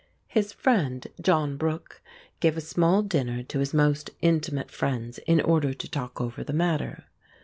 His friend, John Brooke, gave a small dinner to his most intimate friends in order to talk over the matter.